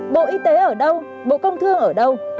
bộ y tế ở đâu bộ công thương ở đâu